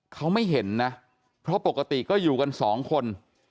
เขาไม่เห็นนะเพราะปกติก็อยู่กันสองคน